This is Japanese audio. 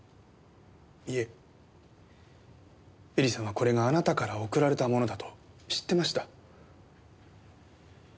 いえ絵里さんはこれがあなたから贈られたものだと知ってました。